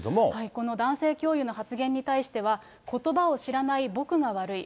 この男性教諭の発言に対しては、ことばを知らない僕が悪い。